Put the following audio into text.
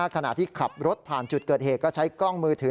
ขณะที่ขับรถผ่านจุดเกิดเหตุก็ใช้กล้องมือถือ